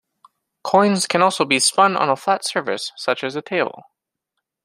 Coins can also be spun on a flat surface such as a table.